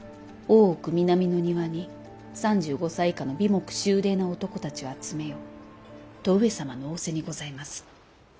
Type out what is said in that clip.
奥南の庭に３５歳以下の眉目秀麗な男たちを集めよと上様の仰せにございます。